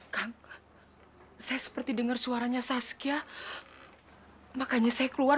kang saya seperti dengar suaranya saskia makanya saya keluar